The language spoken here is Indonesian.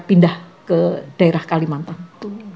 pindah ke daerah kalimantan